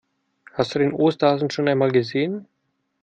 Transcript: Hast du den Osterhasen schon einmal gesehen?